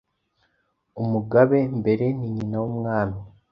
Umugabe mbere ni nyina w'Umwami !